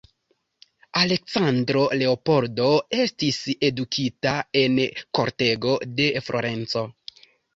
Aleksandro Leopoldo estis edukita en kortego de Florenco.